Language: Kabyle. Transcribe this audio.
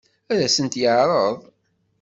Ad sen-t-yeɛṛeḍ?